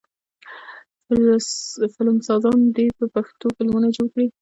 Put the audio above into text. فلمسازان دې په پښتو فلمونه جوړ کړي.